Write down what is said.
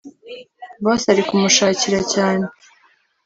boss ari kumushakira cyane